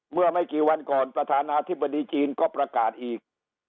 เมื่อไม่กี่วันก่อนประธานาธิบดีจีนก็ประกาศอีก